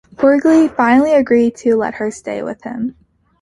Porgy finally agrees to let her stay with him.